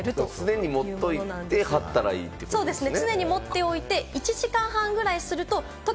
常に持っといて貼ったらいいってことですね。